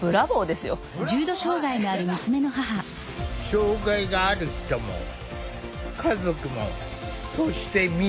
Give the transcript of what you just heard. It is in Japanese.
障害がある人も家族もそしてみんなも。